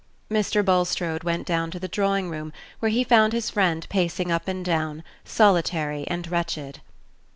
Mr. Bulstrode went down to the drawing room, where he found his friend pacing up and down, solitary and wretched.